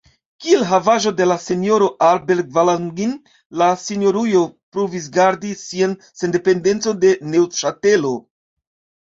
Kiel havaĵo de la Senjoroj Aarberg-Valangin la Senjorujo provis gardi sian sendependecon de Neŭŝatelo.